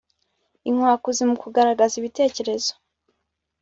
inkwakuzi mu kugaragaza ibitekerezo